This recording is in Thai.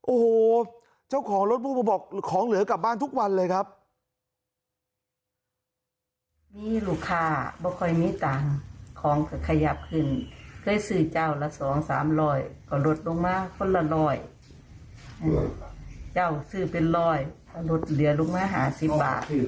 โอ้โหเจ้าของรถบู้มาบอกของเหลือกลับบ้านทุกวันเลยครับ